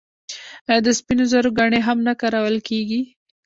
آیا د سپینو زرو ګاڼې هم نه کارول کیږي؟